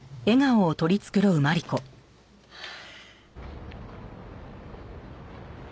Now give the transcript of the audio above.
はあ。